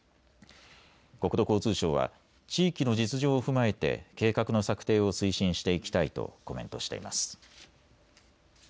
国土交通省は地域の実情を踏まえて計画の策定を推進していきたいとコメントしています。